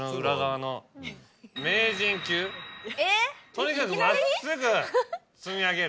とにかく真っすぐ積み上げる。